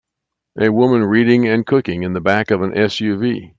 A woman reading and cooking in the back of a SUV.